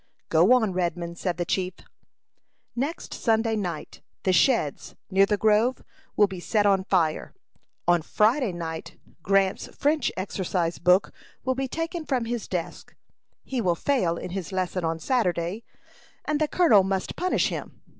"Go on, Redman," said the chief. "Next Sunday night, the sheds, near the grove, will be set on fire. On Friday night Grant's French exercise book will be taken from his desk. He will fail in his lesson on Saturday, and the colonel must punish him.